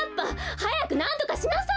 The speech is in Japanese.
はやくなんとかしなさい！